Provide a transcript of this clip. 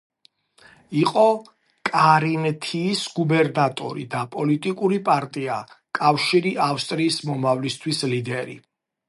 იყო კარინთიის გუბერნატორი და პოლიტიკური პარტია „კავშირი ავსტრიის მომავლისთვის“ ლიდერი.